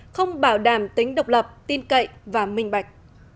không bảo đảm tính độc lập tin cậy và minh bạch